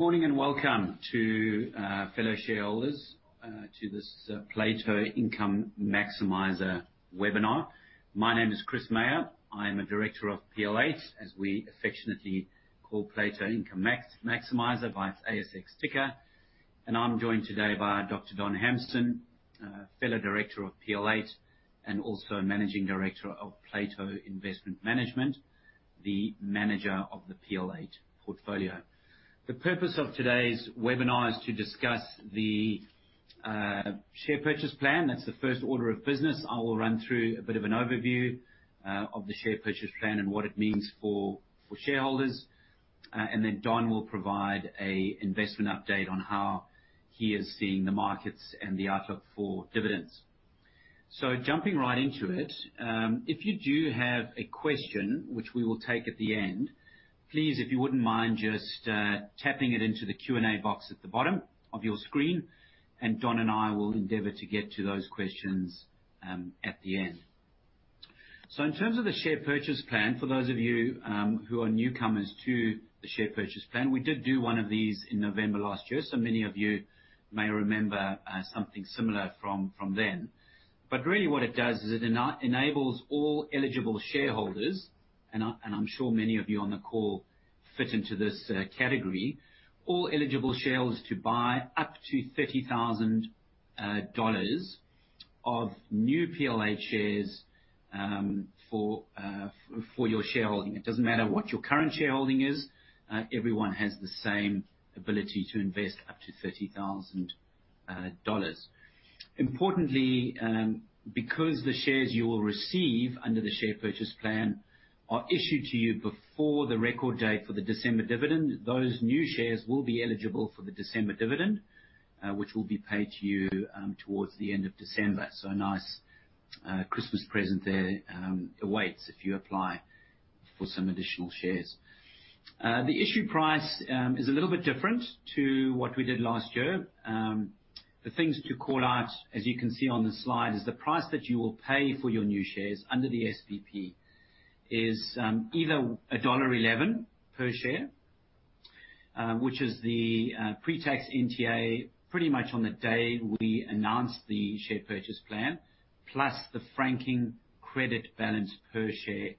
Morning, welcome to fellow shareholders, to this Plato Income Maximiser webinar. My name is Chris Meyer. I am a director of PL8, as we affectionately call Plato Income Maximiser by its ASX ticker. I'm joined today by Dr. Don Hamson, fellow Director of PL8 and also Managing Director of Plato Investment Management, the manager of the PL8 portfolio. The purpose of today's webinar is to discuss the share purchase plan. That's the first order of business. I will run through a bit of an overview of the share purchase plan and what it means for shareholders. Then Don will provide a investment update on how he is seeing the markets and the outlook for dividends. Jumping right into it, if you do have a question, which we will take at the end, please, if you wouldn't mind just tapping it into the Q&A box at the bottom of your screen, and Don and I will endeavor to get to those questions at the end. In terms of the share purchase plan, for those of you who are newcomers to the share purchase plan, we did do one of these in November last year. Many of you may remember something similar from then. Really what it does is it enables all eligible shareholders, and I'm sure many of you on the call fit into this category, all eligible shareholders to buy up to 30,000 dollars of new PL8 shares for your shareholding. It doesn't matter what your current shareholding is, everyone has the same ability to invest up to 30,000 dollars. Importantly, because the shares you will receive under the share purchase plan are issued to you before the record date for the December dividend, those new shares will be eligible for the December dividend, which will be paid to you towards the end of December. A nice Christmas present there awaits if you apply for some additional shares. The issue price is a little bit different to what we did last year. The things to call out, as you can see on the slide, is the price that you will pay for your new shares under the SPP is either dollar 1.11 per share, which is the pre-tax NTA pretty much on the day we announce the share purchase plan, plus the franking credit balance per share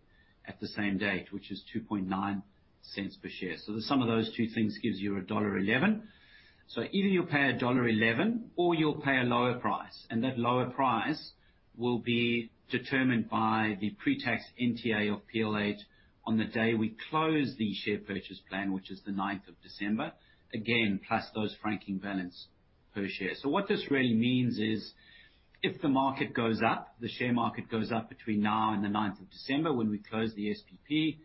at the same date, which is 0.029 per share. The sum of those two things gives you dollar 1.11. Either you'll pay dollar 1.11 or you'll pay a lower price, and that lower price will be determined by the pre-tax NTA of PL8 on the day we close the share purchase plan, which is the 9th of December, again, plus those franking balance per share. What this really means is, if the market goes up, the share market goes up between now and the 9th of December when we close the SPP,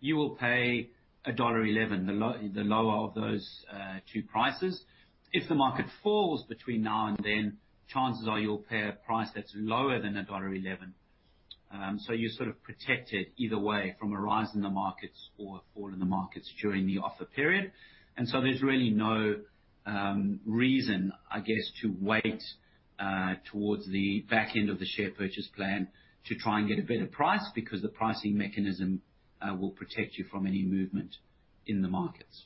you will pay dollar 1.11, the lower of those two prices. If the market falls between now and then, chances are you'll pay a price that's lower than dollar 1.11. You're sort of protected either way from a rise in the markets or a fall in the markets during the offer period. There's really no reason, I guess, to wait towards the back end of the share purchase plan to try and get a better price because the pricing mechanism will protect you from any movement in the markets.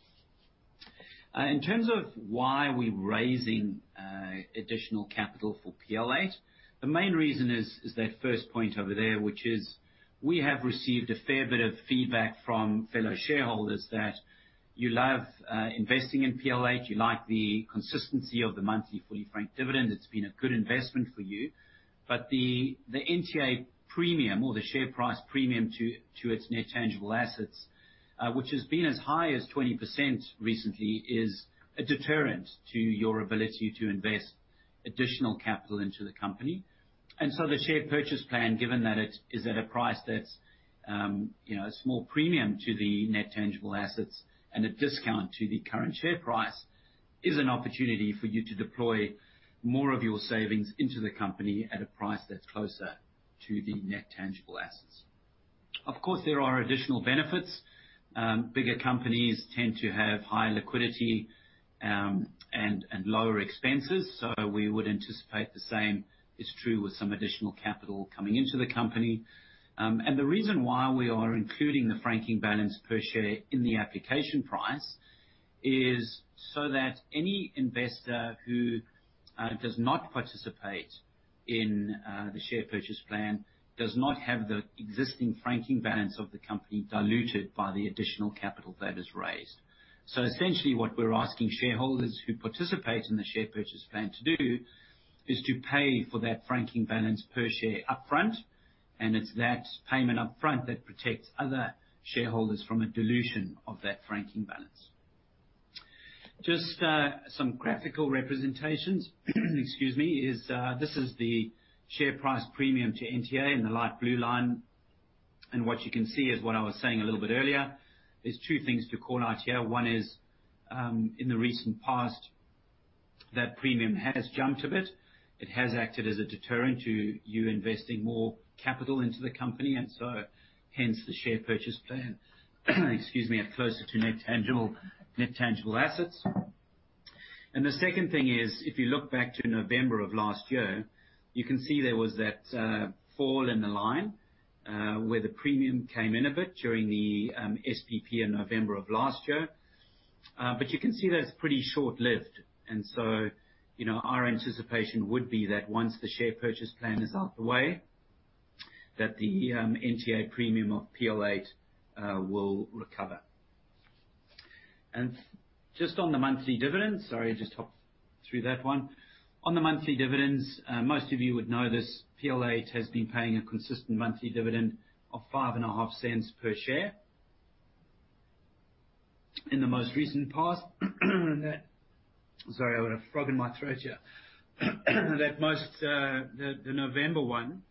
In terms of why we're raising additional capital for PL8, the main reason is that first point over there, which is we have received a fair bit of feedback from fellow shareholders that you love investing in PL8, you like the consistency of the monthly fully franked dividend. It's been a good investment for you. The NTA premium or the share price premium to its net tangible assets, which has been as high as 20% recently, is a deterrent to your ability to invest additional capital into the company. The share purchase plan, given that it is at a price that's, you know, a small premium to the net tangible assets and a discount to the current share price, is an opportunity for you to deploy more of your savings into the company at a price that's closer to the net tangible assets. There are additional benefits. Bigger companies tend to have higher liquidity and lower expenses. We would anticipate the same is true with some additional capital coming into the company. The reason why we are including the franking balance per share in the application price is so that any investor who does not participate in the share purchase plan does not have the existing franking balance of the company diluted by the additional capital that is raised. Essentially what we're asking shareholders who participate in the share purchase plan to do is to pay for that franking balance per share upfront. It's that payment upfront that protects other shareholders from a dilution of that franking balance. Just some graphical representations. Excuse me. This is the share price premium to NTA in the light blue line. What you can see is what I was saying a little bit earlier. There are 2 things to call out here. One is, in the recent past, that premium has jumped a bit. It has acted as a deterrent to you investing more capital into the company, hence the share purchase plan excuse me, at closer to net tangible assets. The second thing is, if you look back to November of last year, you can see there was that fall in the line, where the premium came in a bit during the SPP in November of last year. But you can see that it's pretty short-lived. So, you know, our anticipation would be that once the share purchase plan is out the way, that the NTA premium of PL8 will recover. Just on the monthly dividends, sorry, I just hopped through that one. On the monthly dividends, most of you would know this, PL8 has been paying a consistent monthly dividend of five and a half cents per share. In the most recent past. Sorry, I've got a frog in my throat here. The November one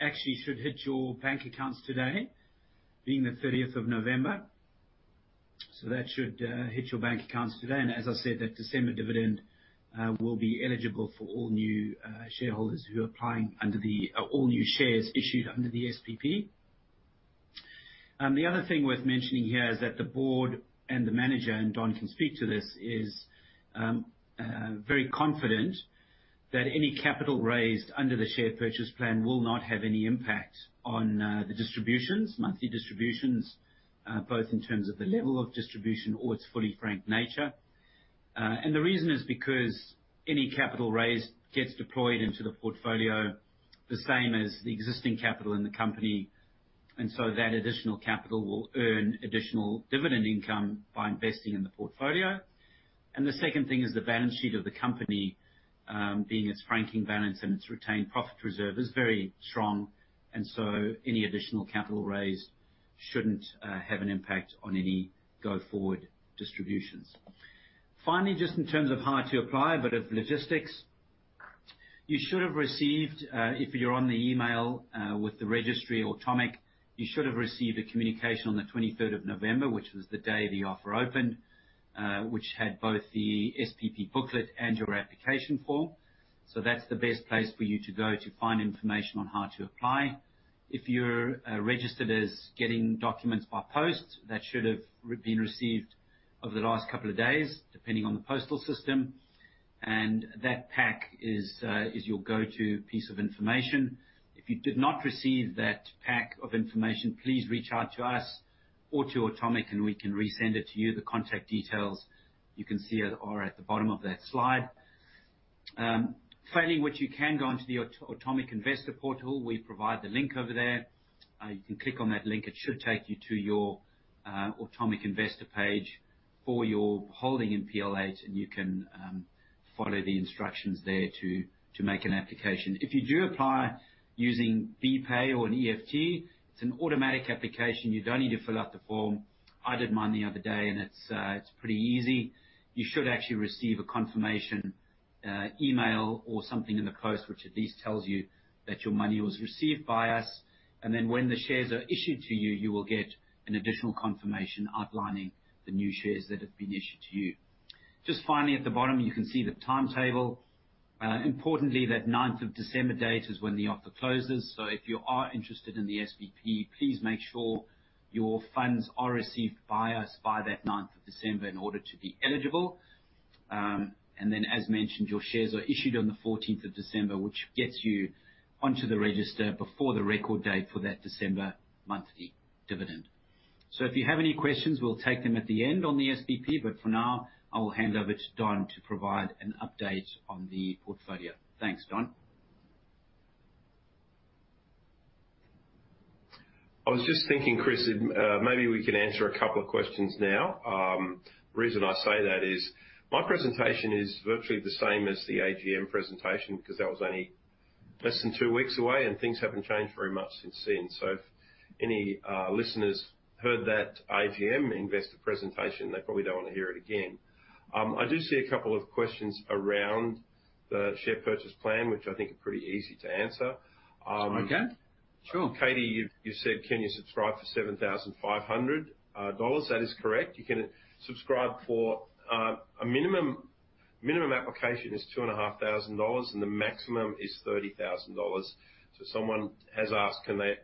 actually should hit your bank accounts today, being the 30th of November. That should hit your bank accounts today. As I said, that December dividend will be eligible for all new shareholders who are applying under the all new shares issued under the SPP. The other thing worth mentioning here is that the board and the manager, and Don can speak to this, is very confident that any capital raised under the share purchase plan will not have any impact on the distributions, monthly distributions, both in terms of the level of distribution or its fully frank nature. The reason is because any capital raised gets deployed into the portfolio the same as the existing capital in the company. That additional capital will earn additional dividend income by investing in the portfolio. The second thing is the balance sheet of the company, being its franking balance and its retained profit reserve is very strong, and any additional capital raised shouldn't have an impact on any go-forward distributions. Finally, just in terms of how to apply, a bit of logistics. You should have received, if you're on the email, with the registry or Automic, you should have received a communication on the 23rd of November, which was the day the offer opened, which had both the SPP booklet and your application form. That's the best place for you to go to find information on how to apply. If you're registered as getting documents by post, that should have been received over the last couple of days, depending on the postal system. That pack is your go-to piece of information. If you did not receive that pack of information, please reach out to us or to Automic, and we can resend it to you. The contact details you can see are at the bottom of that slide. Finally, what you can go onto the Automic investor portal, we provide the link over there. You can click on that link. It should take you to your Automic investor page for your holding in PL8, and you can follow the instructions there to make an application. If you do apply using BPAY or an EFT, it's an automatic application. You don't need to fill out the form. I did mine the other day and it's pretty easy. You should actually receive a confirmation, email or something in the post, which at least tells you that your money was received by us. When the shares are issued to you will get an additional confirmation outlining the new shares that have been issued to you. Just finally, at the bottom, you can see the timetable. Importantly, that ninth of December date is when the offer closes. If you are interested in the SPP, please make sure your funds are received by us by that ninth of December in order to be eligible. As mentioned, your shares are issued on the fourteenth of December, which gets you onto the register before the record date for that December monthly dividend. If you have any questions, we'll take them at the end on the SPP, but for now, I will hand over to Don to provide an update on the portfolio. Thanks, Don. I was just thinking, Chris, maybe we can answer a couple of questions now. Reason I say that is my presentation is virtually the same as the AGM presentation because that was only less than two weeks away and things haven't changed very much since then. If any listeners heard that AGM investor presentation, they probably don't wanna hear it again. I do see a couple of questions around the share purchase plan, which I think are pretty easy to answer. Okay. Sure. Katie, you said, "Can you subscribe for 7,500 dollars?" That is correct. You can subscribe for a minimum application is two and a half thousand dollars, and the maximum is 30,000 dollars. Someone has asked, can they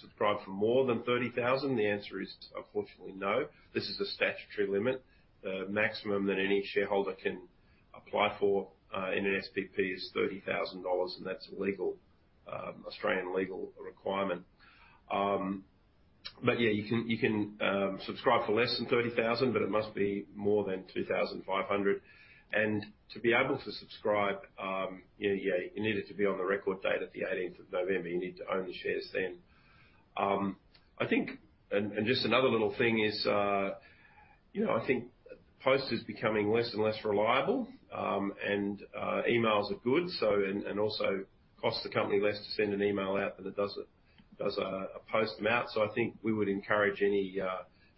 subscribe for more than 30,000? The answer is unfortunately no. This is a statutory limit. The maximum that any shareholder can apply for in an SPP is 30,000 dollars, and that's a legal Australian legal requirement. Yeah, you can subscribe for less than 30,000, but it must be more than 2,500. To be able to subscribe, yeah, you needed to be on the record date at the 18th of November. You need to own the shares then. I think... Just another little thing is, you know, I think post is becoming less and less reliable. Emails are good, so, and also costs the company less to send an email out than it does a post note. I think we would encourage any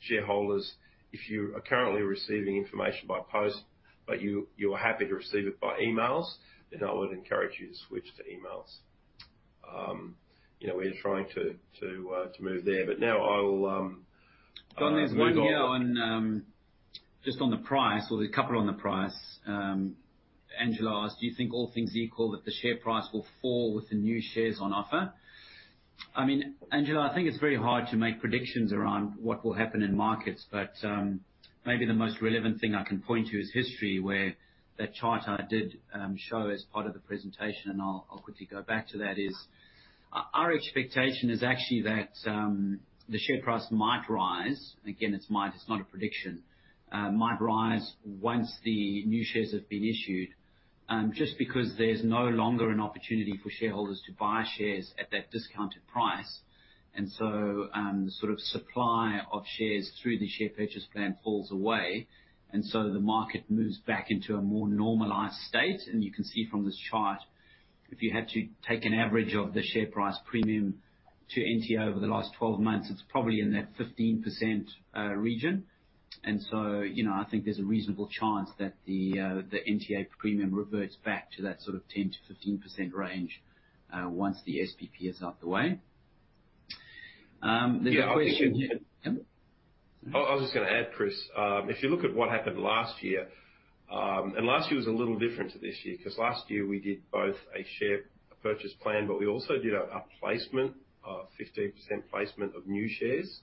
shareholders, if you are currently receiving information by post, but you are happy to receive it by emails, then I would encourage you to switch to emails. You know, we're trying to move there. Now I'll move on. Don, there's one here on, just on the price or the couple on the price. Angela asked, "Do you think all things equal, that the share price will fall with the new shares on offer?" I mean, Angela, I think it's very hard to make predictions around what will happen in markets, but maybe the most relevant thing I can point to is history, where that chart I did, show as part of the presentation, and I'll quickly go back to that, is our expectation is actually that, the share price might rise. Again, it's might, it's not a prediction. Might rise once the new shares have been issued, just because there's no longer an opportunity for shareholders to buy shares at that discounted price. The sort of supply of shares through the share purchase plan falls away, and so the market moves back into a more normalized state. You can see from this chart, if you had to take an average of the share price premium to NTA over the last 12 months, it's probably in that 15% region. You know, I think there's a reasonable chance that the NTA premium reverts back to that sort of 10%-15% range once the SPP is out the way. Yeah. Yeah. I was just gonna add, Chris, if you look at what happened last year, and last year was a little different to this year, 'cause last year we did both a share purchase plan, but we also did a placement, a 15% placement of new shares.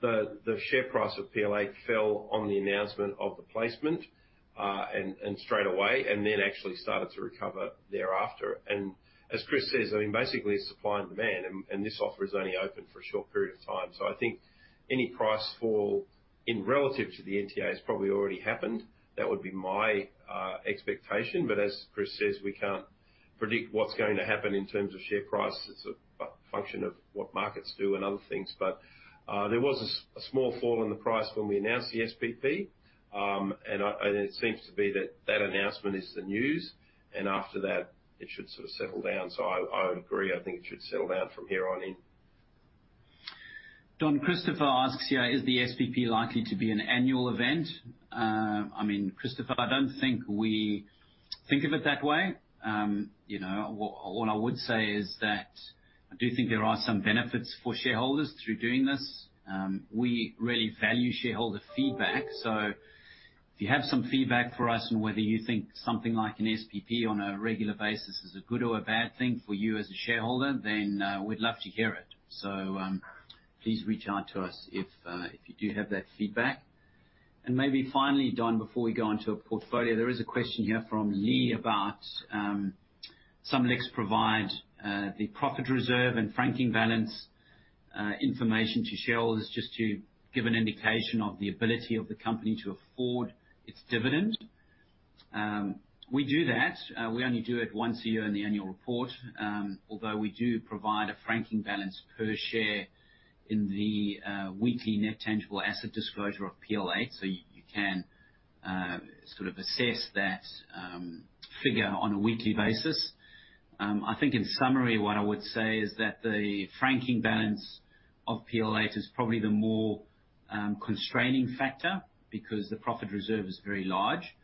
The share price of PL8 fell on the announcement of the placement, and straight away, and then actually started to recover thereafter. As Chris says, I mean, basically it's supply and demand, and this offer is only open for a short period of time. I think any price fall in relative to the NTA has probably already happened. That would be my expectation. As Chris says, we can't predict what's going to happen in terms of share price. It's a function of what markets do and other things. There was a small fall in the price when we announced the SPP, and it seems to be that that announcement is the news, and after that, it should sort of settle down. I would agree, I think it should settle down from here on in. Don, Christopher asks here, "Is the SPP likely to be an annual event?" I mean, Christopher, I don't think we think of it that way. You know, what I would say is that I do think there are some benefits for shareholders through doing this. We really value shareholder feedback, so if you have some feedback for us on whether you think something like an SPP on a regular basis is a good or a bad thing for you as a shareholder, then, we'd love to hear it. Please reach out to us if you do have that feedback. Maybe finally, Don, before we go onto a portfolio, there is a question here from Lee about some LICS provide the profit reserve and franking balance information to shareholders just to give an indication of the ability of the company to afford its dividend. We do that. We only do it once a year in the annual report, although we do provide a franking balance per share in the weekly net tangible asset disclosure of PL8, so you can sort of assess that figure on a weekly basis. I think in summary, what I would say is that the franking balance of PL8 is probably the more constraining factor because the profit reserve is very large.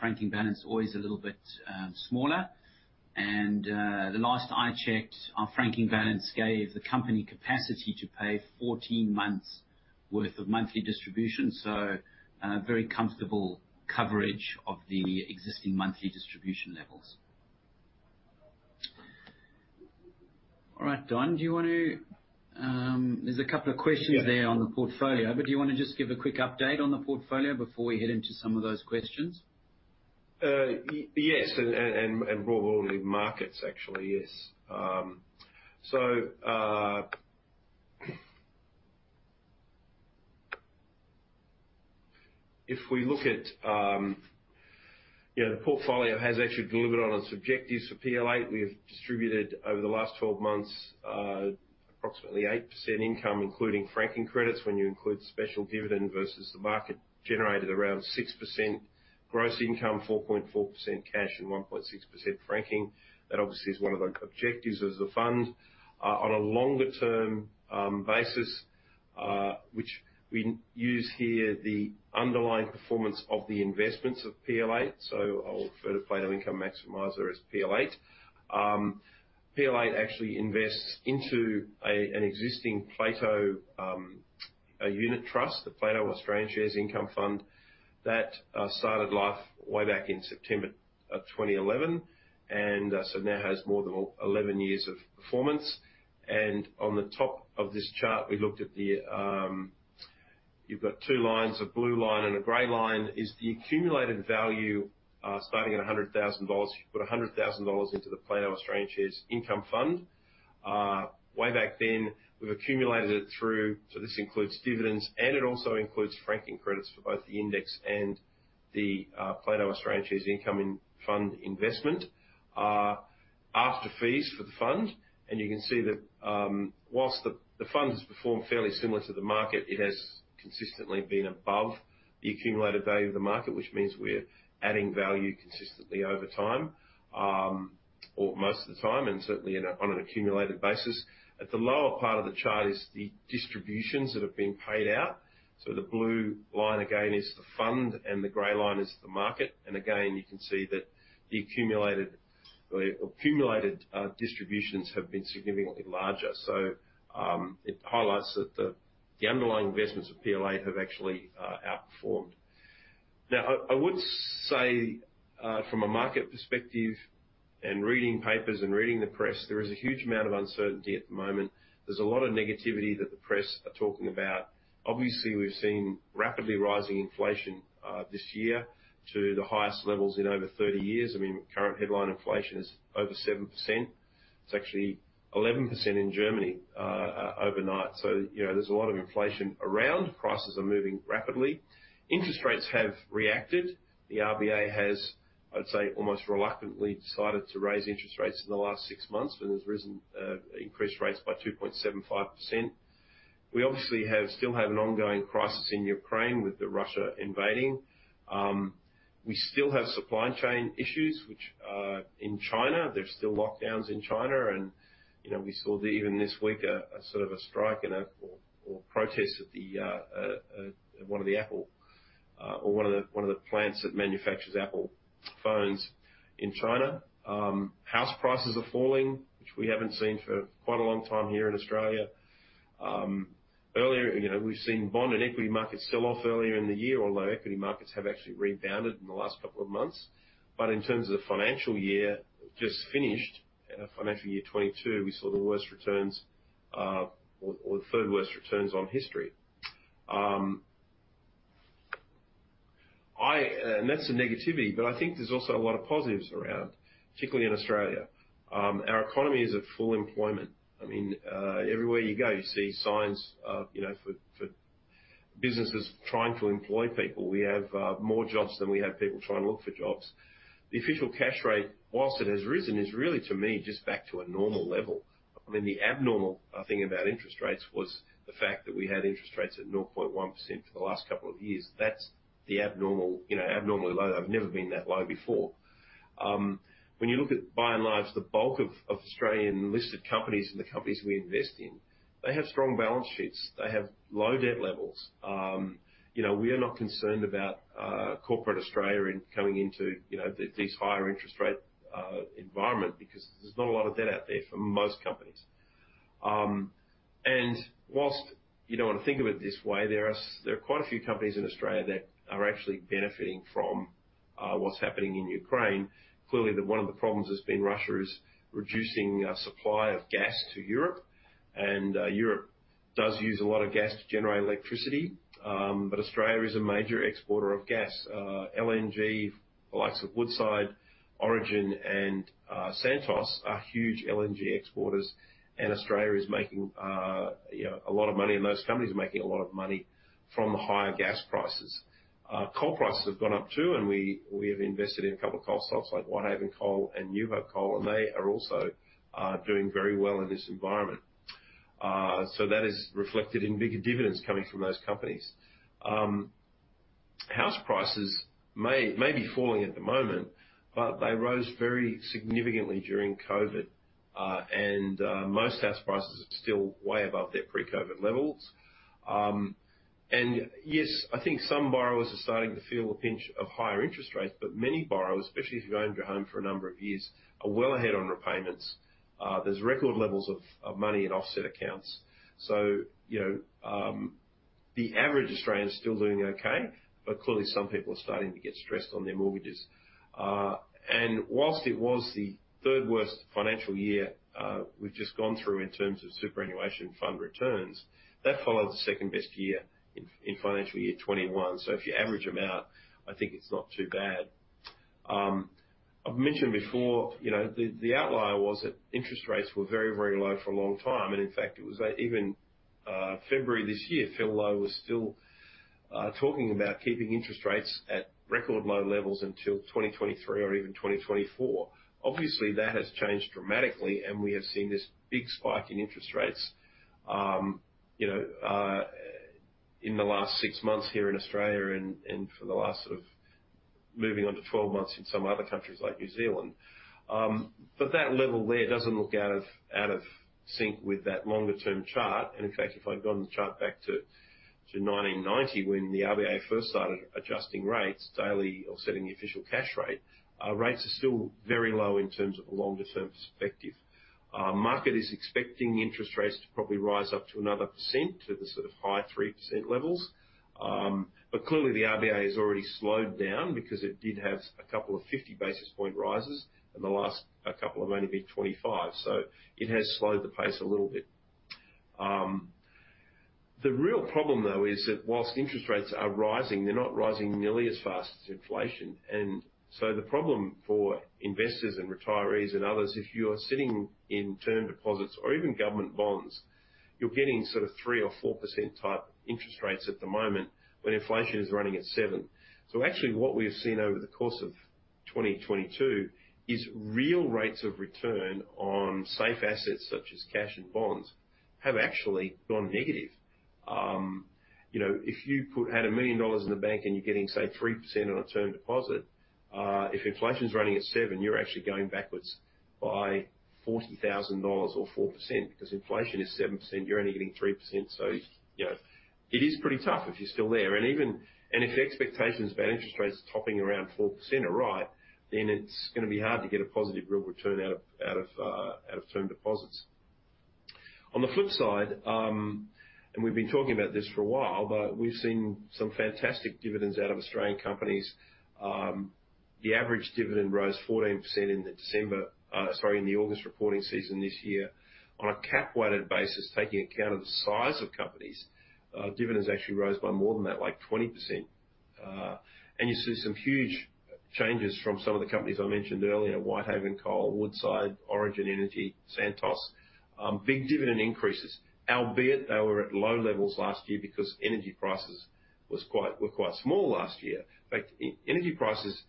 Franking balance always a little bit smaller. The last I checked, our franking balance gave the company capacity to pay 14 months worth of monthly distribution, so very comfortable coverage of the existing monthly distribution levels. All right, Don, do you want to? There's a couple of questions there on the portfolio. Do you wanna just give a quick update on the portfolio before we head into some of those questions? Yes, and more broadly markets actually, yes. If we look at, you know, the portfolio has actually delivered on its objectives for PLA. We've distributed over the last 12 months, approximately 8% income, including franking credits. When you include special dividend versus the market, generated around 6% gross income, 4.4% cash, and 1.6% franking. That obviously is one of the objectives of the fund. On a longer-term basis, which we use here the underlying performance of the investments of PLA, so I'll refer to Plato Income Maximizer as PLA. PLA actually invests into an existing Plato, a unit trust, the Plato Australian Shares Income Fund, that started life way back in September of 2011. Now has more than 11 years of performance. On the top of this chart, we looked at the... You've got two lines, a blue line and a gray line, is the accumulated value, starting at 100,000 dollars. You put 100,000 dollars into the Plato Australian Shares Income Fund. Way back then, we've accumulated it through, so this includes dividends, and it also includes franking credits for both the index and the Plato Australian Shares Income Fund investment, after fees for the fund. You can see that, whilst the fund has performed fairly similar to the market, it has consistently been above the accumulated value of the market, which means we're adding value consistently over time, or most of the time, and certainly in a, on an accumulated basis. At the lower part of the chart is the distributions that have been paid out. The blue line, again, is the fund, and the gray line is the market. Again, you can see that the accumulated distributions have been significantly larger. It highlights that the underlying investments of PL8 have actually outperformed. I would say, from a market perspective and reading papers and reading the press, there is a huge amount of uncertainty at the moment. There's a lot of negativity that the press are talking about. Obviously, we've seen rapidly rising inflation this year to the highest levels in over 30 years. I mean, current headline inflation is over 7%. It's actually 11% in Germany overnight. You know, there's a lot of inflation around. Prices are moving rapidly. Interest rates have reacted. The RBA has, I'd say, almost reluctantly decided to raise interest rates in the last 6 months and has increased rates by 2.75%. We obviously still have an ongoing crisis in Ukraine with Russia invading. We still have supply chain issues which in China, there's still lockdowns in China and, you know, we saw even this week a sort of a strike or protest at one of the Apple or one of the plants that manufactures Apple phones in China. House prices are falling, which we haven't seen for quite a long time here in Australia. Earlier, you know, we've seen bond and equity markets sell off earlier in the year, although equity markets have actually rebounded in the last 2 months. In terms of the financial year just finished, in our financial year 22, we saw the worst returns, or the third worst returns on history. I, and that's the negativity, but I think there's also a lot of positives around, particularly in Australia. Our economy is at full employment. I mean, everywhere you go, you see signs of, you know, for businesses trying to employ people. We have more jobs than we have people trying to look for jobs. The official cash rate, whilst it has risen, is really, to me, just back to a normal level. I mean, the abnormal, I think about interest rates, was the fact that we had interest rates at 0.1% for the last couple of years. That's the abnormal, you know, abnormally low. They've never been that low before. When you look at, by and large, the bulk of Australian listed companies and the companies we invest in, they have strong balance sheets. They have low debt levels. You know, we are not concerned about corporate Australia in coming into, you know, these higher interest rate environment because there's not a lot of debt out there for most companies. Whilst you don't want to think of it this way, there are quite a few companies in Australia that are actually benefiting from what's happening in Ukraine. Clearly, one of the problems has been Russia is reducing supply of gas to Europe. Europe does use a lot of gas to generate electricity, Australia is a major exporter of gas. LNG, the likes of Woodside, Origin and Santos are huge LNG exporters, and Australia is making, you know, a lot of money, and those companies are making a lot of money from the higher gas prices. Coal prices have gone up too. We have invested in a couple of coal stocks like Whitehaven Coal and New Hope Coal, and they are also doing very well in this environment. That is reflected in bigger dividends coming from those companies. House prices may be falling at the moment. They rose very significantly during COVID, and most house prices are still way above their pre-COVID levels. Yes, I think some borrowers are starting to feel the pinch of higher interest rates, but many borrowers, especially if you've owned your home for a number of years, are well ahead on repayments. There's record levels of money in offset accounts. You know, the average Australian is still doing okay, but clearly some people are starting to get stressed on their mortgages. Whilst it was the third worst financial year we've just gone through in terms of superannuation fund returns, that followed the second best year in financial year 21. If you average them out, I think it's not too bad. I've mentioned before, you know, the outlier was that interest rates were very, very low for a long time. In fact, it was even February this year, Philip Lowe was still talking about keeping interest rates at record low levels until 2023 or even 2024. Obviously, that has changed dramatically, and we have seen this big spike in interest rates, you know, in the last 6 months here in Australia and for the last sort of moving on to 12 months in some other countries like New Zealand. That level there doesn't look out of, out of sync with that longer term chart. In fact, if I'd gone the chart back to 1990 when the RBA first started adjusting rates daily or setting the official cash rate, rates are still very low in terms of a longer term perspective. Market is expecting interest rates to probably rise up to another % to the sort of high 3% levels. Clearly, the RBA has already slowed down because it did have a couple of 50 basis point rises, and the last couple have only been 25. It has slowed the pace a little bit. The real problem, though, is that whilst interest rates are rising, they're not rising nearly as fast as inflation. The problem for investors and retirees and others, if you are sitting in term deposits or even government bonds, you're getting sort of 3% or 4% type interest rates at the moment when inflation is running at 7%. Actually, what we've seen over the course of 2022 is real rates of return on safe assets such as cash and bonds have actually gone negative. You know, if you had 1 million dollars in the bank and you're getting, say, 3% on a term deposit, if inflation's running at 7%, you're actually going backwards by 40,000 dollars or 4% because inflation is 7%, you're only getting 3%. You know, it is pretty tough if you're still there. If the expectations about interest rates topping around 4% are right, then it's gonna be hard to get a positive real return out of, out of, out of term deposits. On the flip side, we've been talking about this for a while, but we've seen some fantastic dividends out of Australian companies. The average dividend rose 14% in the August reporting season this year. On a cap-weighted basis, taking account of the size of companies, dividends actually rose by more than that, like 20%. You see some huge changes from some of the companies I mentioned earlier, Whitehaven Coal, Woodside, Origin Energy, Santos, big dividend increases. Albeit they were at low levels last year because energy prices were quite small last year. In fact, energy prices,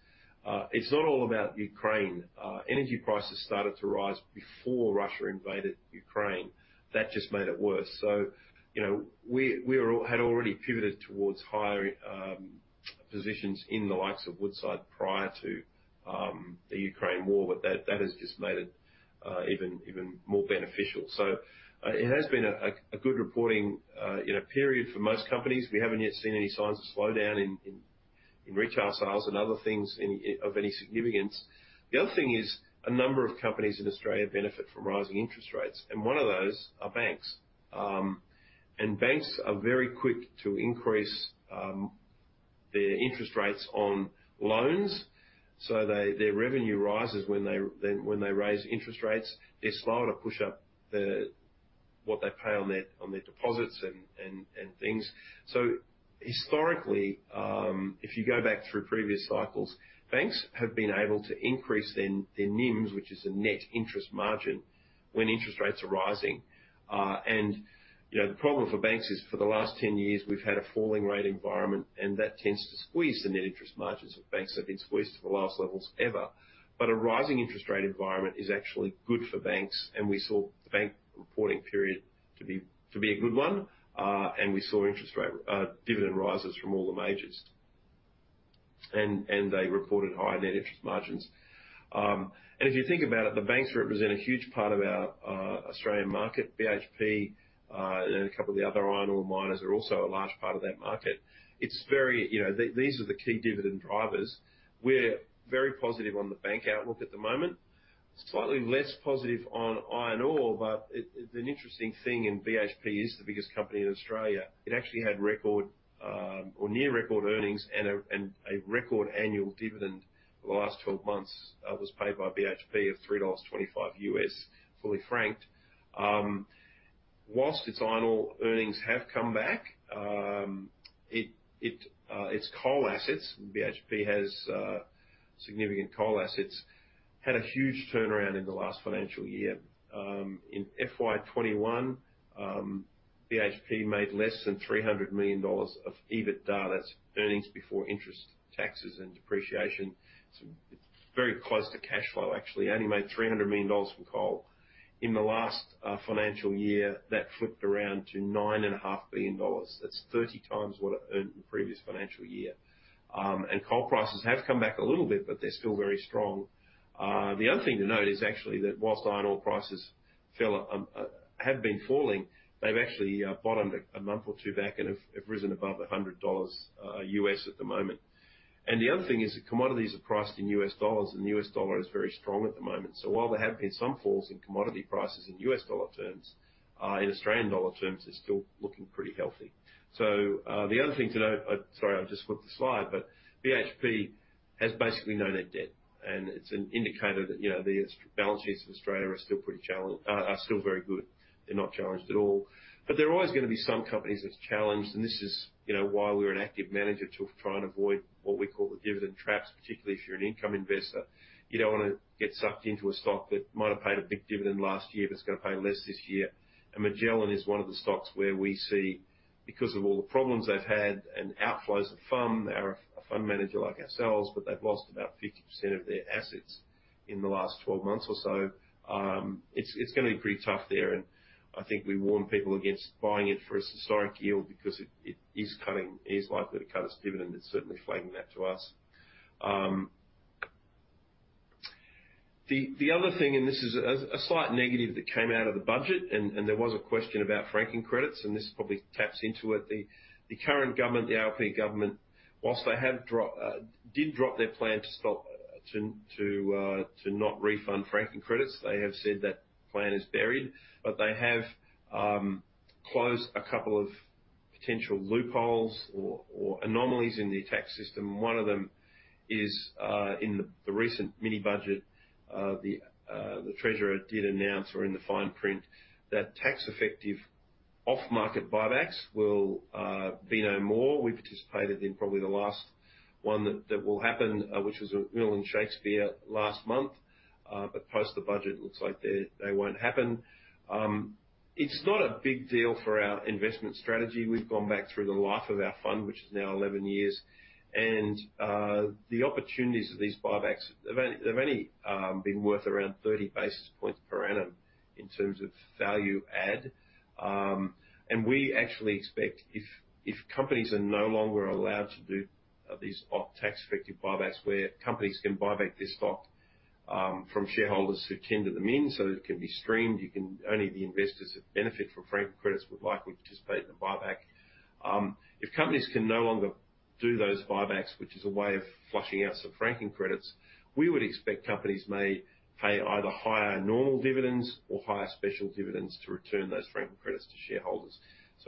it's not all about Ukraine. Energy prices started to rise before Russia invaded Ukraine. That just made it worse. You know, we had already pivoted towards higher positions in the likes of Woodside prior to the Ukraine war, but that has just made it even more beneficial. It has been a good reporting, you know, period for most companies. We haven't yet seen any signs of slowdown in retail sales and other things of any significance. The other thing is, a number of companies in Australia benefit from rising interest rates, and one of those are banks. Banks are very quick to increase their interest rates on loans, so their revenue rises when they raise interest rates. They're slow to push up the, what they pay on their deposits and things. Historically, if you go back through previous cycles, banks have been able to increase their NIMs, which is the Net Interest Margin, when interest rates are rising. You know, the problem for banks is for the last 10 years, we've had a falling rate environment, and that tends to squeeze the Net Interest Margins of banks. They've been squeezed to the lowest levels ever. A rising interest rate environment is actually good for banks, and we saw the bank reporting period to be a good one. We saw interest rate dividend rises from all the majors. They reported higher Net Interest Margins. If you think about it, the banks represent a huge part of our Australian market. BHP, and a couple of the other iron ore miners are also a large part of that market. It's very, you know, these are the key dividend drivers. We're very positive on the bank outlook at the moment. Slightly less positive on iron ore, but it's an interesting thing, and BHP is the biggest company in Australia. It actually had record or near record earnings and a record annual dividend for the last 12 months was paid by BHP of $3.25 USD, fully franked. Whilst its iron ore earnings have come back, its coal assets, BHP has significant coal assets, had a huge turnaround in the last financial year. In FY 2021, BHP made less than $300 million of EBITDA. That's earnings before interest, taxes and depreciation. It's very close to cash flow, actually. Only made $300 million from coal. In the last financial year, that flipped around to $9.5 billion. That's 30 times what it earned in the previous financial year. Coal prices have come back a little bit, but they're still very strong. The other thing to note is actually that whilst iron ore prices fell, have been falling, they've actually bottomed a month or two back and have risen above $100 at the moment. The other thing is that commodities are priced in US dollars, and the US dollar is very strong at the moment. While there have been some falls in commodity prices in US dollar terms, in Australian dollar terms, it's still looking pretty healthy. The other thing to note, sorry, I've just flipped the slide, BHP has basically no net debt, and it's an indicator that, you know, the balance sheets of Australia are still pretty good. They're not challenged at all. There are always gonna be some companies that's challenged, and this is, you know, why we're an active manager to try and avoid what we call the dividend traps, particularly if you're an income investor. You don't wanna get sucked into a stock that might have paid a big dividend last year, but it's gonna pay less this year. Magellan is one of the stocks where we see because of all the problems they've had and outflows of fund, are a fund manager like ourselves, but they've lost about 50% of their assets in the last 12 months or so. It's gonna be pretty tough there, and I think we warn people against buying it for its historic yield because it is cutting, is likely to cut its dividend. It's certainly flagging that to us. The other thing, and this is a slight negative that came out of the budget and there was a question about franking credits, and this probably taps into it. The current government, the ALP government, whilst they did drop their plan to stop to not refund franking credits, they have said that plan is buried, but they have closed a couple of potential loopholes or anomalies in the tax system. One of them is in the recent mini budget, the Treasurer did announce or in the fine print that tax effective off-market buybacks will be no more. We participated in probably the last one that will happen, which was Will and Shakespeare last month. Post the budget, looks like they won't happen. It's not a big deal for our investment strategy. We've gone back through the life of our fund, which is now 11 years. The opportunities of these buybacks, they've only been worth around 30 basis points per annum in terms of value add. We actually expect if companies are no longer allowed to do these off tax effective buybacks, where companies can buy back their stock from shareholders who tender them in, so it can be streamed. Only the investors that benefit from franking credits would likely participate in the buyback. If companies can no longer do those buybacks, which is a way of flushing out some franking credits. We would expect companies may pay either higher normal dividends or higher special dividends to return those franking credits to shareholders.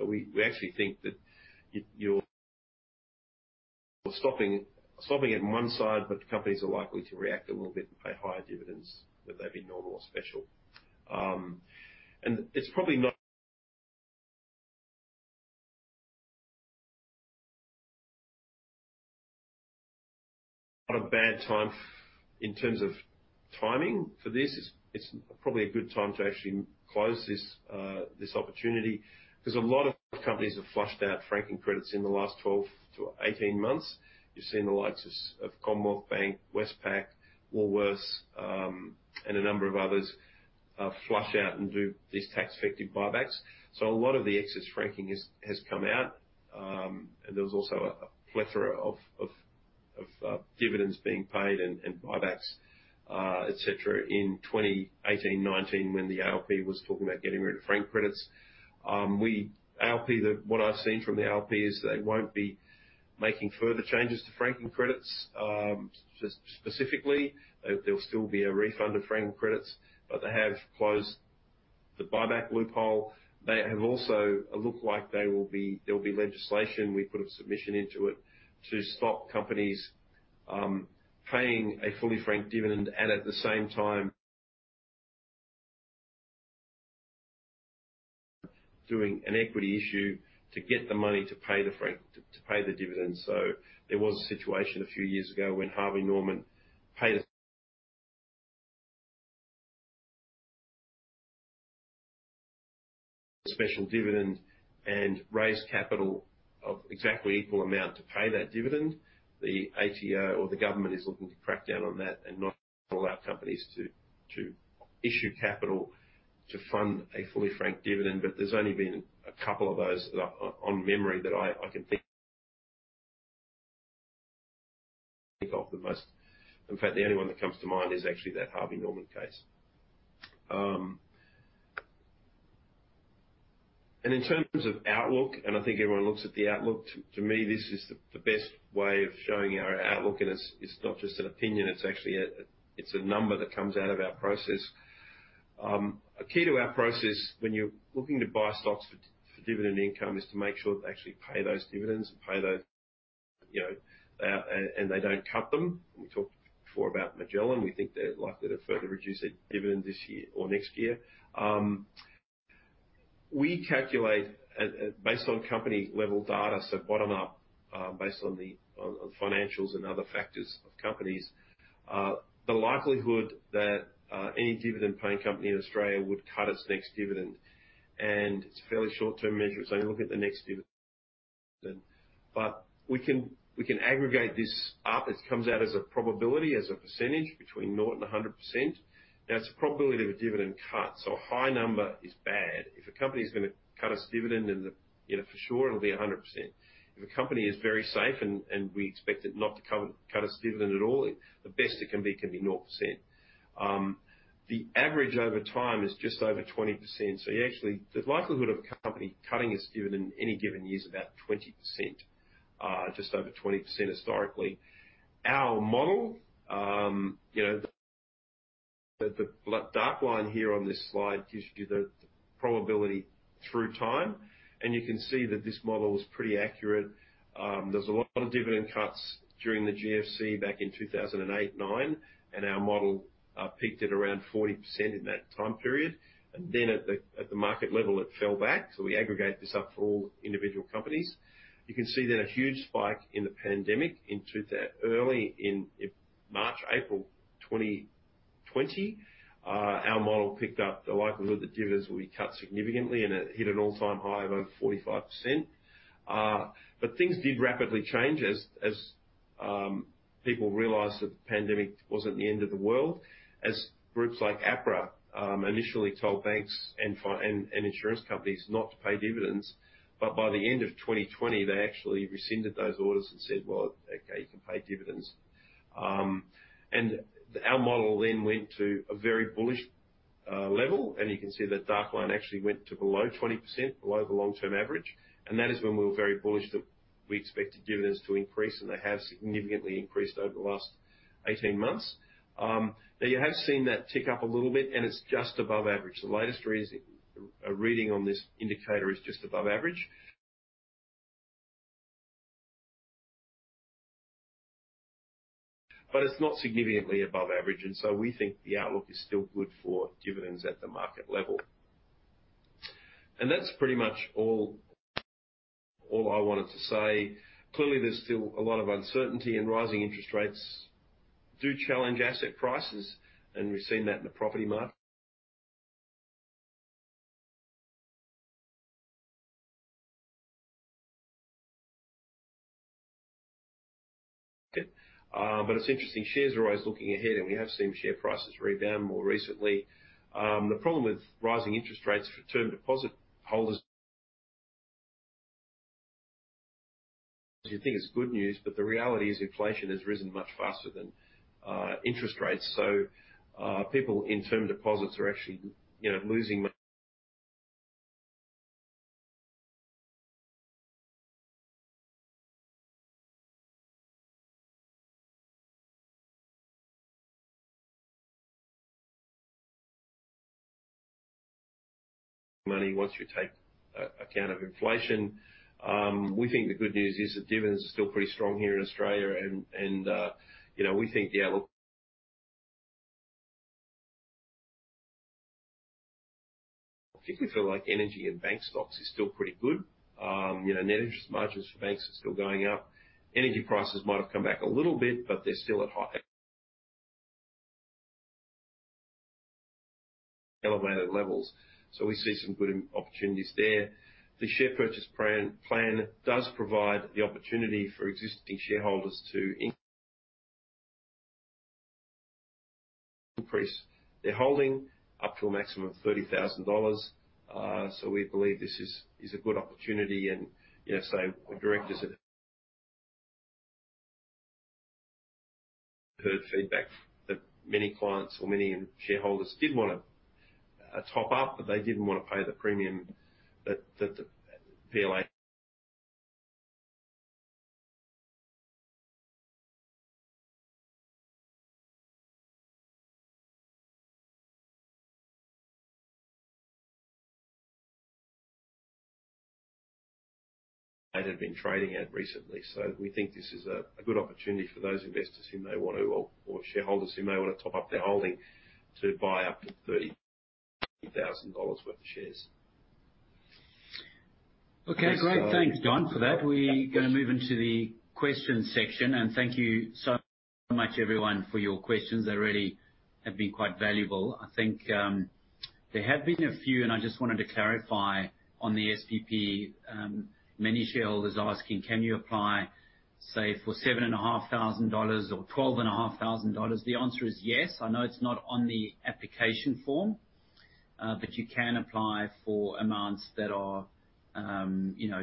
We actually think that you're stopping it in one side, but companies are likely to react a little bit and pay higher dividends, whether they be normal or special. It's probably not a bad time in terms of timing for this. It's probably a good time to actually close this opportunity, because a lot of companies have flushed out franking credits in the last 12-18 months. You've seen the likes of Commonwealth Bank, Westpac, Woolworths, and a number of others flush out and do these tax effective buybacks. A lot of the excess franking has come out. There was also a plethora of dividends being paid and buybacks, et cetera in 2018, 2019, when the ALP was talking about getting rid of franking credits. ALP, What I've seen from the ALP is they won't be making further changes to franking credits, just specifically. There'll still be a refund of franking credits, but they have closed the buyback loophole. They have also, there'll be legislation. We put a submission into it to stop companies paying a fully franked dividend and at the same time doing an equity issue to get the money to pay the dividends. There was a situation a few years ago when Harvey Norman paid a special dividend and raised capital of exactly equal amount to pay that dividend. The ATO or the government is looking to crack down on that and not allow companies to issue capital to fund a fully franked dividend. There's only been a couple of those that on memory that I can think of the most. In fact, the only one that comes to mind is actually that Harvey Norman case. In terms of outlook, and I think everyone looks at the outlook, to me, this is the best way of showing our outlook. It's not just an opinion, it's actually a number that comes out of our process. A key to our process when you're looking to buy stocks for dividend income is to make sure they actually pay those dividends and pay those, you know, and they don't cut them. We talked before about Magellan. We think they're likely to further reduce their dividend this year or next year. We calculate based on company level data, so bottom up, based on the financials and other factors of companies, the likelihood that any dividend paying company in Australia would cut its next dividend. It's a fairly short-term measure, so you look at the next dividend but we can aggregate this up. It comes out as a probability, as a percentage between 0 and 100%. It's a probability of a dividend cut, so a high number is bad. If a company is gonna cut its dividend in the, you know, for sure it'll be 100%. If a company is very safe and we expect it not to cut its dividend at all, the best it can be can be 0%. The average over time is just over 20%. You actually. The likelihood of a company cutting its dividend any given year is about 20%, just over 20% historically. Our model, you know, the dark line here on this slide gives you the probability through time, and you can see that this model is pretty accurate. There's a lot of dividend cuts during the GFC back in 2008, 2009, and our model peaked at around 40% in that time period. At the, at the market level, it fell back. We aggregate this up for all individual companies. You can see then a huge spike in the pandemic in early in March, April 2020. Our model picked up the likelihood that dividends will be cut significantly, and it hit an all-time high of over 45%. Things did rapidly change as people realized that the pandemic wasn't the end of the world. As groups like APRA initially told banks and insurance companies not to pay dividends, but by the end of 2020, they actually rescinded those orders and said, "Well, okay, you can pay dividends." Our model then went to a very bullish level, and you can see that dark line actually went to below 20%, below the long-term average. That is when we were very bullish that we expected dividends to increase, and they have significantly increased over the last 18 months. Now you have seen that tick up a little bit and it's just above average. The latest reading on this indicator is just above average. It's not significantly above average, and so we think the outlook is still good for dividends at the market level. That's pretty much all I wanted to say. Clearly, there's still a lot of uncertainty, and rising interest rates do challenge asset prices, and we've seen that in the property market. It's interesting. Shares are always looking ahead, and we have seen share prices rebound more recently. The problem with rising interest rates for term deposit holders you think it's good news, but the reality is inflation has risen much faster than interest rates. People in term deposits are actually, you know, losing money once you take a, account of inflation. We think the good news is that dividends are still pretty strong here in Australia and, you know, we think, yeah, look... Particularly for energy and bank stocks is still pretty good. You know, net interest margins for banks are still going up. Energy prices might have come back a little bit, but they're still at high elevated levels. We see some good opportunities there. The share purchase plan does provide the opportunity for existing shareholders to increase their holding up to a maximum of 30,000 dollars. We believe this is a good opportunity and, you know, our directors have heard feedback that many clients or many shareholders did wanna top up, but they didn't wanna pay the premium that the PL8... had been trading at recently. We think this is a good opportunity for those investors who may want to or shareholders who may want to top up their holding to buy up to 30,000 dollars worth of shares. Okay, great. And so- Thanks, Don, for that. We're gonna move into the question section. Thank you so much everyone for your questions. They really have been quite valuable. I think there have been a few, and I just wanted to clarify on the SPP, many shareholders asking, "Can you apply, say, for seven and a half thousand dollars or twelve and a half thousand dollars?" The answer is yes. I know it's not on the application form, but you can apply for amounts that are, you know,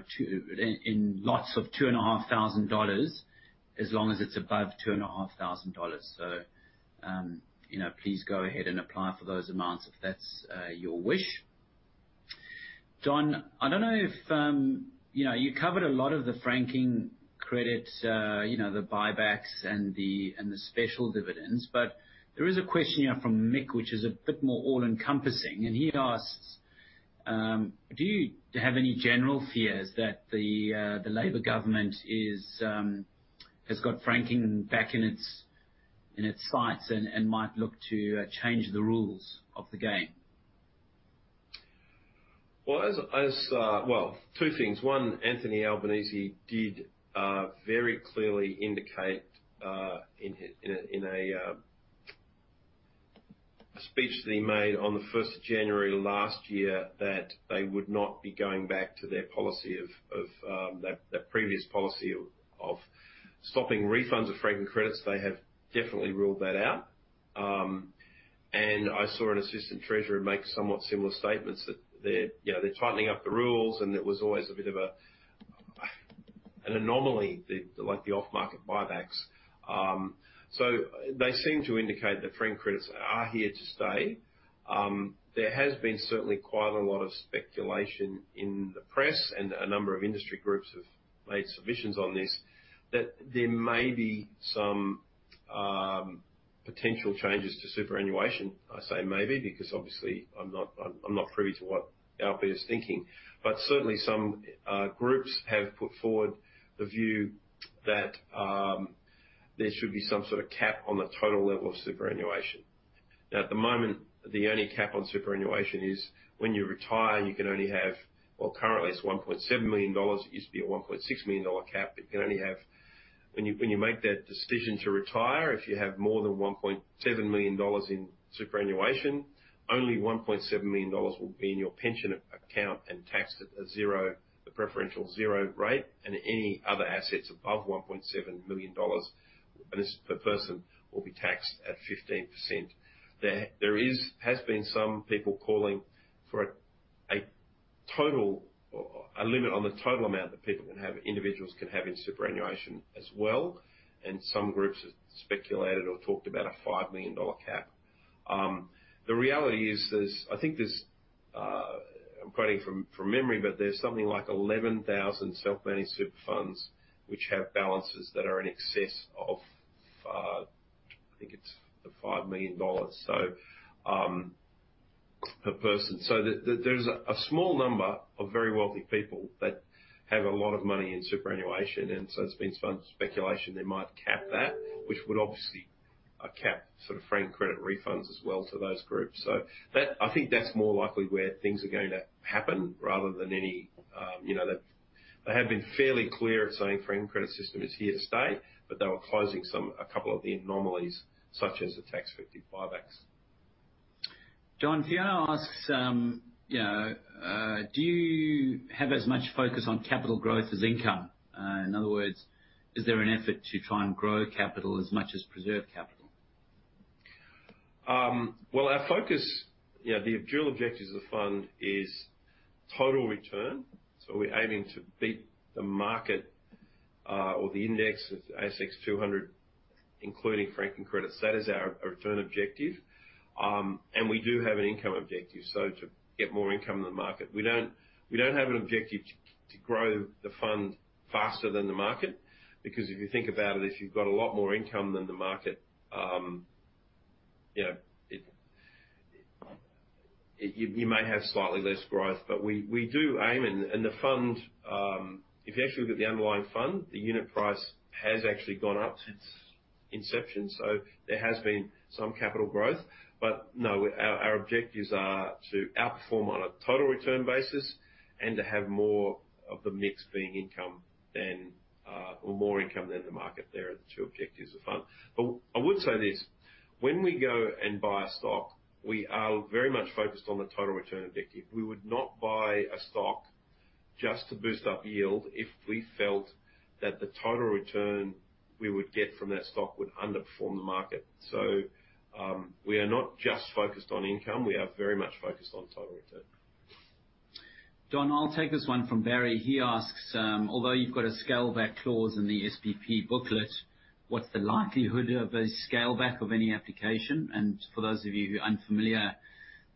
in lots of two and a half thousand dollars, as long as it's above two and a half thousand dollars. You know, please go ahead and apply for those amounts if that's your wish. John, I don't know if, you know, you covered a lot of the franking credits, you know, the buybacks and the, and the special dividends. There is a question here from Mick which is a bit more all-encompassing, and he asks, "Do you have any general fears that the Labor government is has got franking back in its, in its sights and might look to change the rules of the game? Two things. One, Anthony Albanese did very clearly indicate in a speech that he made on the first of January last year, that they would not be going back to their policy of stopping refunds of franking credits. They have definitely ruled that out. I saw an assistant treasurer make somewhat similar statements that they're, you know, they're tightening up the rules, and it was always a bit of an anomaly, like the off-market buybacks. They seem to indicate that franking credits are here to stay. There has been certainly quite a lot of speculation in the press, a number of industry groups have made submissions on this, that there may be some potential changes to superannuation. I say maybe because obviously I'm not privy to what Albo is thinking. Certainly some groups have put forward the view that there should be some sort of cap on the total level of superannuation. At the moment, the only cap on superannuation is when you retire, you can only have, currently it's 1.7 million dollars. It used to be a 1.6 million dollar cap. When you make that decision to retire, if you have more than 1.7 million dollars in superannuation, only 1.7 million dollars will be in your pension account and taxed at a 0, the preferential 0 rate, and any other assets above 1.7 million dollars, and this is per person, will be taxed at 15%. There has been some people calling for a total or a limit on the total amount that people can have, individuals can have in superannuation as well. Some groups have speculated or talked about a 5 million dollar cap. The reality is there's, I think there's, I'm quoting from memory, but there's something like 11,000 self-managed super funds which have balances that are in excess of, I think it's the 5 million dollars, per person. There's a small number of very wealthy people that have a lot of money in superannuation, and so there's been some speculation they might cap that, which would obviously cap sort of franking credit refunds as well to those groups. That, I think that's more likely where things are going to happen rather than any, you know... They have been fairly clear at saying franking credit system is here to stay, but they were closing a couple of the anomalies such as the tax-effective buybacks. Don, Fiona asks, you know, "Do you have as much focus on capital growth as income? In other words, is there an effort to try and grow capital as much as preserve capital? Well, our focus, you know, the dual objectives of the fund is total return. We're aiming to beat the market, or the index of ASX 200, including franking credits. That is our return objective. We do have an income objective, so to get more income in the market. We don't have an objective to grow the fund faster than the market because if you think about it, if you've got a lot more income than the market, you know, it, you may have slightly less growth. We do aim and the fund, if you actually look at the underlying fund, the unit price has actually gone up since inception, so there has been some capital growth. Our objectives are to outperform on a total return basis and to have more of the mix being income than or more income than the market. They're the two objectives of the fund. I would say this, when we go and buy a stock, we are very much focused on the total return objective. We would not buy a stock just to boost up yield if we felt that the total return we would get from that stock would underperform the market. We are not just focused on income. We are very much focused on total return. Don, I'll take this one from Barry. He asks, "Although you've got a scale back clause in the SPP booklet, what's the likelihood of a scale back of any application?" For those of you who are unfamiliar,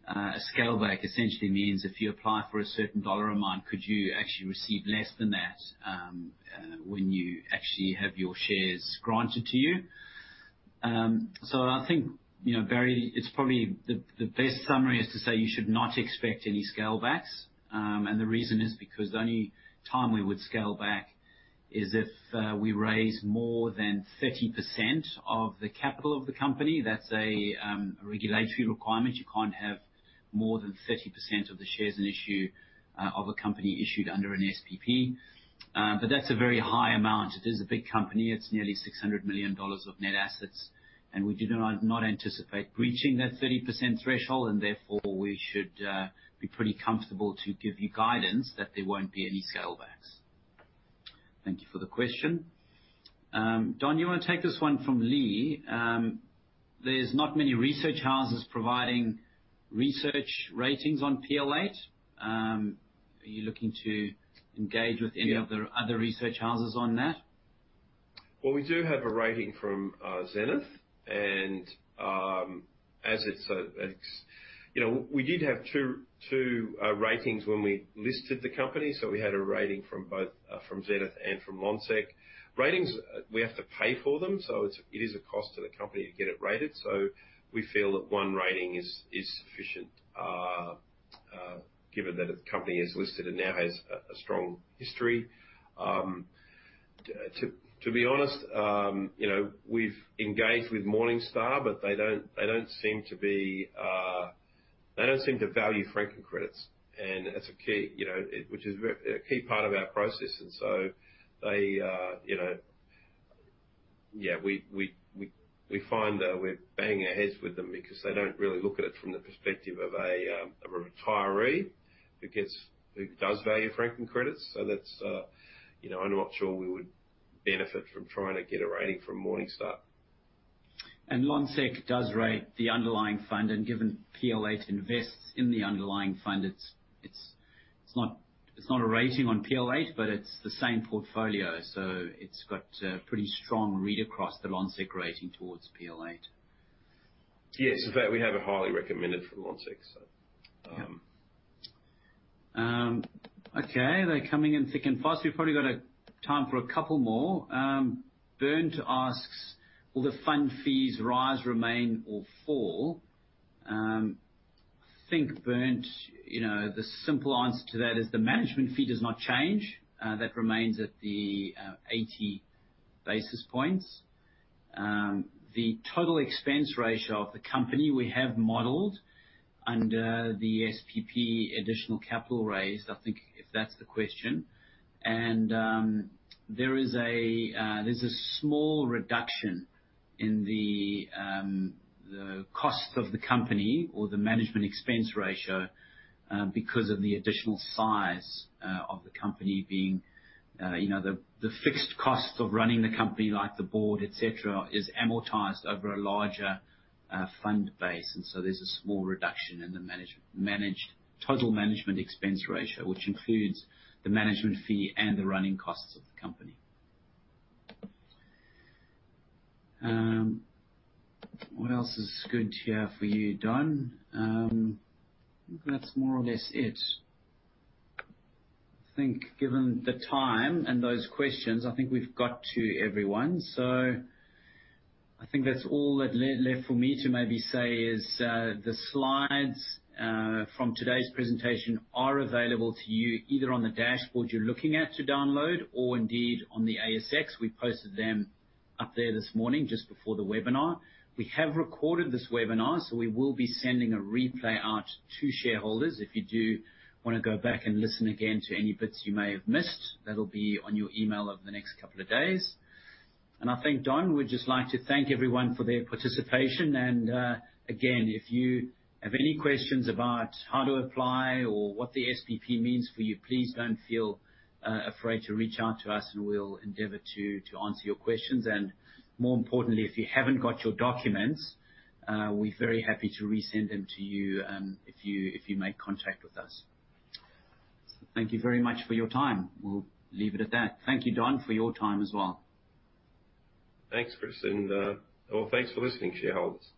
a scale back essentially means if you apply for a certain dollar amount, could you actually receive less than that, when you actually have your shares granted to you. So I think, you know, Barry, it's probably the best summary is to say you should not expect any scale backs. The reason is because the only time we would scale back is if, we raise more than 30% of the capital of the company. That's a regulatory requirement. You can't have more than 30% of the shares in issue, of a company issued under an SPP. That's a very high amount. It is a big company. It's nearly 600 million dollars of net assets, and we do not anticipate breaching that 30% threshold and therefore we should be pretty comfortable to give you guidance that there won't be any scale backs. Thank you for the question. Don Hamson, you wanna take this one from Lee? There's not many research houses providing research ratings on PL8. Are you looking to engage with any. Yeah. other research houses on that? Well, we do have a rating from Zenith. You know, we did have 2 ratings when we listed the company, so we had a rating from both from Zenith and from Lonsec. Ratings, we have to pay for them, so it is a cost to the company to get it rated. We feel that 1 rating is sufficient given that the company is listed and now has a strong history. To be honest, you know, we've engaged with Morningstar, but they don't seem to be, they don't seem to value franking credits. That's a key, you know, which is a key part of our process. They, you know... we find that we're banging our heads with them because they don't really look at it from the perspective of a retiree who gets, who does value franking credits. That's, you know, I'm not sure we would benefit from trying to get a rating from Morningstar. Lonsec does rate the underlying fund, and given PL8 invests in the underlying fund, it's not a rating on PL8, but it's the same portfolio. It's got a pretty strong read across the Lonsec rating towards PL8. Yes. In fact, we have it highly recommended for Lonsec, so. Yep. Okay. They're coming in thick and fast. We've probably got a time for a couple more. Bernt asks, "Will the fund fees rise, remain or fall?" I think, Bernt, you know, the simple answer to that is the management fee does not change. That remains at the 80 basis points. The total expense ratio of the company we have modeled under the SPP additional capital raise, I think if that's the question. There is a small reduction in the cost of the company or the management expense ratio because of the additional size of the company being, you know, the fixed cost of running the company, like the board, et cetera, is amortized over a larger fund base. There's a small reduction in the total management expense ratio, which includes the management fee and the running costs of the company. What else is good here for you, Don? I think that's more or less it. I think given the time and those questions, I think we've got to everyone. I think that's all that left for me to maybe say is, the slides from today's presentation are available to you either on the dashboard you're looking at to download or indeed on the ASX. We posted them up there this morning just before the webinar. We have recorded this webinar, so we will be sending a replay out to shareholders. If you do wanna go back and listen again to any bits you may have missed, that'll be on your email over the next couple of days. I think, Don, we'd just like to thank everyone for their participation. Again, if you have any questions about how to apply or what the SPP means for you, please don't feel afraid to reach out to us, and we'll endeavor to answer your questions. More importantly, if you haven't got your documents, we're very happy to resend them to you, if you make contact with us. Thank you very much for your time. We'll leave it at that. Thank you, Don, for your time as well. Thanks, Chris, well, thanks for listening, shareholders.